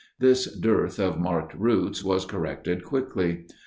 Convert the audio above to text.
This dearth of marked routes was corrected quickly.